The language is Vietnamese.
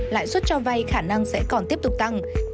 lãi suất cho vay khả năng sẽ còn tiếp tục tăng